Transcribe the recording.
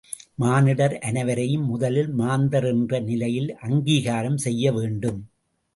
மானிடர் அனைவரையும் முதலில் மாந்தர் என்ற நிலையில் அங்கீகாரம் செய்ய வேண்டும்.